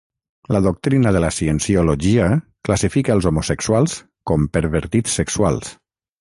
La doctrina de la cienciologia classifica els homosexuals com pervertits sexuals.